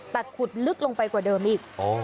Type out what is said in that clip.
แต่ขุดลึกลงไปกว่าเดิมอีก